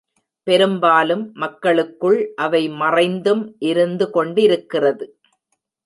பெரும்பாலும், மக்களுக்குள் அவை மறைந்தும் இருந்து கொண்டிருக்கிறது.